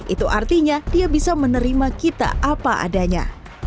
itu artinya dia bisa menerima kita apa adanya